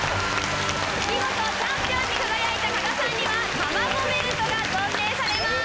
見事チャンピオンに輝いた鹿賀さんには卵ベルトが贈呈されます。